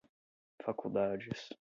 faculdades